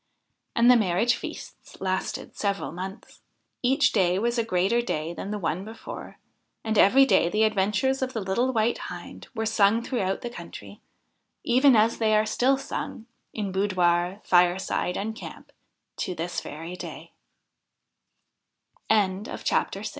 And the marriage feasts lasted several months. Each day was a greater day than the one before ; and every day the adventures of the little White Hind were sung throughout the country, even as they are still sung, in boudoir, fireside, and camp, to this v